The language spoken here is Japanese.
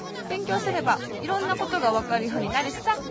べんきょうすればいろんなことがわかるようになるしさ。